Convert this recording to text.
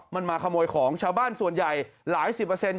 มันมาขโมยของชาวบ้านส่วนใหญ่หลายสิบเปอร์เซ็นต